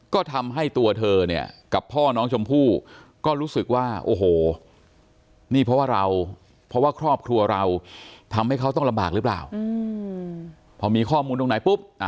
ก็ทำให้ตัวเนี่ย